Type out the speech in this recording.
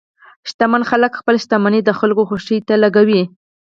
شتمن خلک خپل شتمني د خلکو خوښۍ ته لګوي.